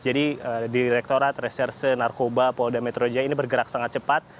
jadi direktorat reserse narkoba polda metro jaya ini bergerak sangat cepat